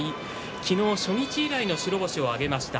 昨日、初日以来の白星を挙げました。